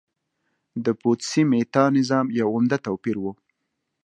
د پوتسي میتا نظام یو عمده توپیر و